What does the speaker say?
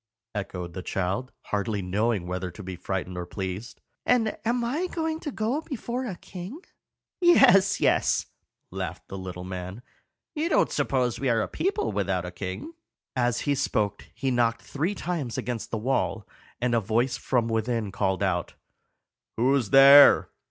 echoed the child, hardly knowing whether to be frightened or pleased. "And am I to go before a king?" "Yes, yes," laughed the little man. "You don't suppose we are a people without a king?" As he spoke he knocked three times against the wall, and a voice from within called out, "Who's there?